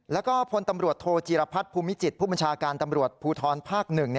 แล้วก็พลตำรวจโทจีรพัฒน์ภูมิจิตผู้บัญชาการตำรวจภูทรภาค๑